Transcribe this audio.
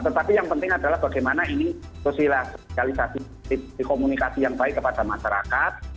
tetapi yang penting adalah bagaimana ini sosialisasi komunikasi yang baik kepada masyarakat